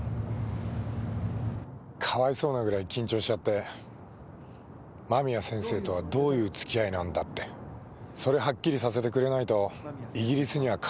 かわいそうなぐらい緊張しちゃって「間宮先生とはどういうつきあいなんだ」って「それはっきりさせてくれないとイギリスには帰れない」って。